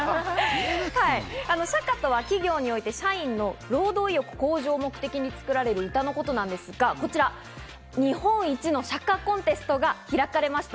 社歌とは企業において社員の労働意欲向上などを目的に作られている歌のことなんですが、こちら、日本一の社歌コンテストが開かれました。